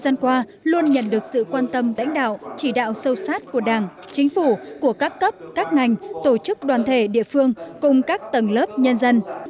nhận được sự quan tâm đánh đạo chỉ đạo sâu sát của đảng chính phủ của các cấp các ngành tổ chức đoàn thể địa phương cùng các tầng lớp nhân dân